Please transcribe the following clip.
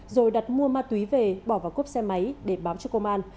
rồi đặt mua ma túy về bỏ vào cốp xe máy để báo cho công an